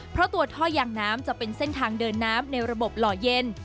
เพราะตัวท่อยางน้ำจะเป็นเส้นทางเดินน้ำในระบบหล่อเย็น